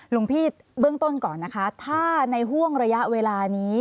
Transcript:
หลวงพี่เบื้องต้นก่อนนะคะถ้าในห่วงระยะเวลานี้